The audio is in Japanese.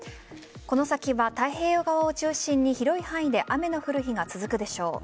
この先は太平洋側を中心に広い範囲で雨が降る日が続くでしょう。